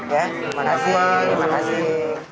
ya terima kasih